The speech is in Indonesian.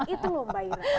itu loh mbak ira